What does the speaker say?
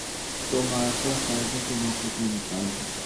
تو معرکہ کارگل کے موقع پہ نکالتے۔